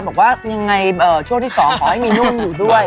บอกว่ายังไงช่วงที่๒ขอให้มีนุ่งอยู่ด้วย